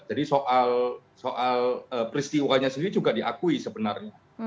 jadi soal peristiwanya sendiri juga diakui sebenarnya